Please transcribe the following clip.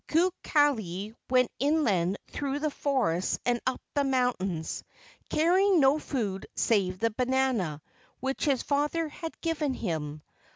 Kukali went inland through the forests and up the mountains, carrying no food save the banana which his father had given him.